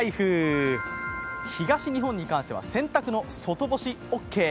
東日本に関しては洗濯の外干しオーケー。